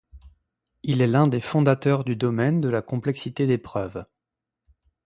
Il est l'un des fondateurs du domaine de la complexité des preuves.